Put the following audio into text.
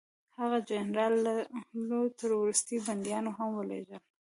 هغه جنرال لو ته وروستي بندیان هم ولېږل.